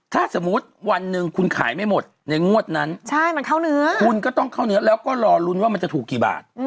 ถ้าสมมุติวันหนึ่งคุณขายไม่หมดในงวดนั้นใช่มันเข้าเนื้อคุณก็ต้องเข้าเนื้อแล้วก็รอลุ้นว่ามันจะถูกกี่บาท